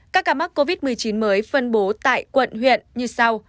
các ca mắc covid một mươi chín mới phân bố tại quận huyện như sau